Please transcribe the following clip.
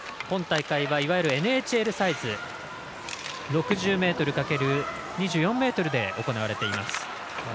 今大会はいわゆるＮＨＬサイズ６０ｍかける２４ｍで行われています。